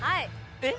えっ？